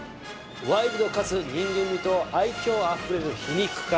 ワイルドかつ人間味と愛嬌あふれる皮肉家。